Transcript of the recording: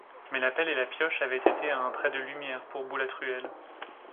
Mais la pelle et la pioche avaient été un trait de lumière pour Boulatruelle.